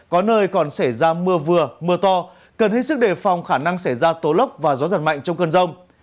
có nơi còn xảy ra mưa vừa mưa to cần hết sức đề phòng khả năng xảy ra tố lốc và gió giật mạnh trong cơn rông